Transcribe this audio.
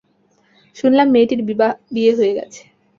শুনলাম মেয়েটির বিয়ে হয়ে গেছে।